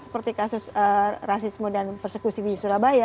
untuk menghindari rasisme dan persekusi di surabaya